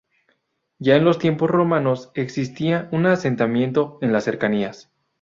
Ya en los tiempos romanos, existía un asentamiento en las cercanías.